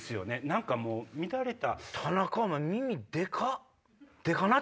何かもう乱れた。